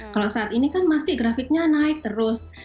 kalau saat ini kan masih grafiknya naik terus